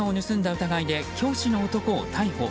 疑いで教師の男を逮捕。